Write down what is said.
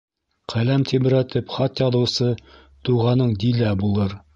Ҡәләм тибрәтеп хат яҙыусы туғаның Дилә булыр.